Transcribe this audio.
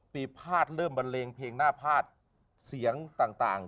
ปีภาษฐ์เริ่มบันเลงเพลงหน้าภาษฐ์เสียงต่าง